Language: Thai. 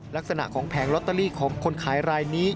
ลักษณะของแผงลอตเตอรี่ของคนขายรายนี้